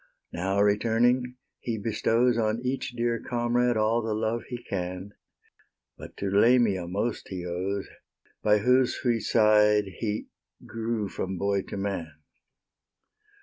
Now, returning, he bestows On each, dear comrade all the love he can; But to Lamia most he owes, By whose sweet side he grew from boy to man.